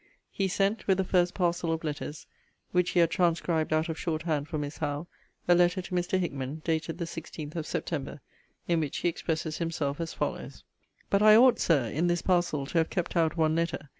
He sent, with the first parcel of letters which he had transcribed out of short hand for Miss Howe, a letter to Mr. Hickman, dated the 16th of September, in which he expresses himself as follows: 'But I ought, Sir, in this parcel to have kept out one letter.